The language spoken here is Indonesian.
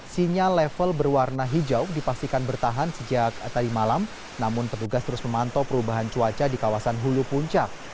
sinyal level berwarna hijau dipastikan bertahan sejak tadi malam namun petugas terus memantau perubahan cuaca di kawasan hulu puncak